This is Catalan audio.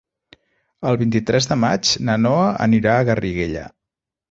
El vint-i-tres de maig na Noa anirà a Garriguella.